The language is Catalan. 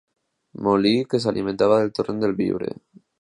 Molí que s'alimentava del Torrent de Biure.